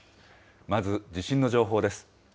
まず地震の情報です。